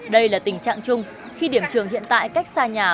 đây là tình trạng chung khi điểm trường hiện tại cách xa nhà